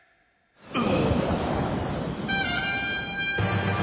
ああ！